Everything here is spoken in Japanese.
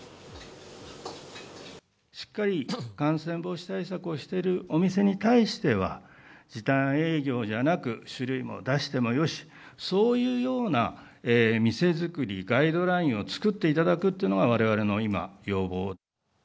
しっかり感染防止対策をしているお店に対しては、時短営業じゃなく、酒類も出してもよし、そういうような店作り、ガイドラインを作っていただくというのがわれわれの今、要望。